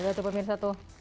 lihat tuh pemirsa tuh